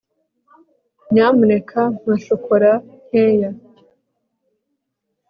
nyamuneka mpa shokora nkeya